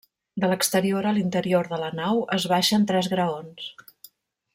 De l'exterior a l'interior de la nau, es baixen tres graons.